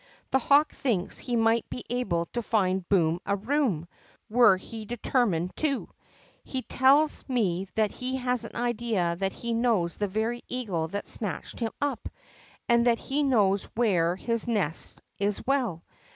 The hawk thinks he might be able to find Boom a Koom, were he determined to. He tells THE WOUNDED AIR GIANT 43 me lie has an idea that he knows the very eagle that snatched him up, and that he knows where his nest is well.